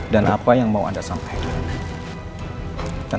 dan apa yang mau anda sampaikan